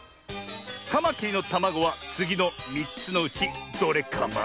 カマキリのたまごはつぎの３つのうちどれカマ？